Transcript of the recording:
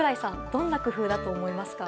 どんな工夫だと思いますか？